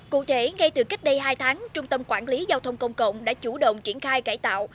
cụ thể ngay từ cách đây hai tháng trung tâm quản lý giao thông công cộng đã chủ động triển khai cải tạo